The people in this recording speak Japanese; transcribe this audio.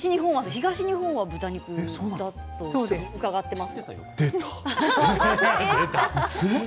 東日本は豚肉と伺っています。